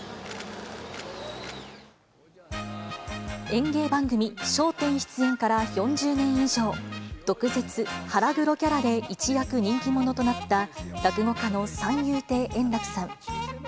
演芸番組、笑点出演から４０年以上、毒舌、腹黒キャラで一躍人気者となった、落語家の三遊亭円楽さん。